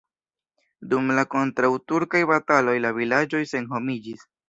Dum la kontraŭturkaj bataloj la vilaĝoj senhomiĝis.